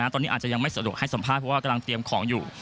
ตอนนี้อาจจะยังไม่สะดวกให้สัมภาษณ์เพราะว่ากำลังเตรียมของอยู่